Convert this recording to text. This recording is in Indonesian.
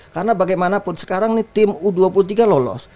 karena bagaimanapun sekarang ini tim u dua puluh tiga lolos